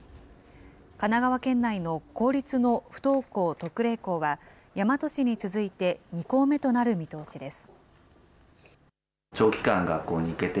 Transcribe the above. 神奈川県内の公立の不登校特例校は、大和市に続いて２校目となる見通しです。